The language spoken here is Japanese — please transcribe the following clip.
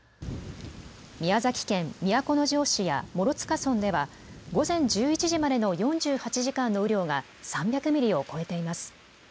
宮崎県都城市や諸塚村では、午前１１時までの４８時間の雨量が、３００ミリを超えています。